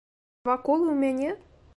Два колы ў мяне?